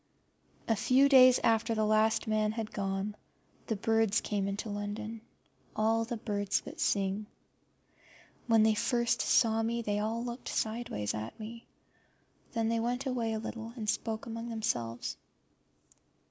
A few days after the last man had gone the birds came into London, all the birds that sing. When they first saws me they all looked sideways at me, then they went away a little and spoke among themselves.